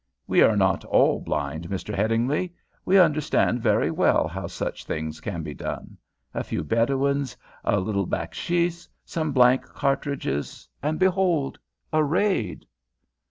We are not all blind, Mister Headingly. We understand very well how such things can be done. A few Bedouins, a little backsheesh, some blank cartridges, and, behold a raid!"